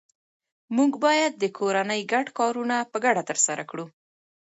موږ باید د کورنۍ ګډ کارونه په ګډه ترسره کړو